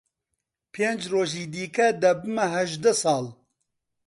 پێنج ڕۆژی دیکە دەبمە هەژدە ساڵ.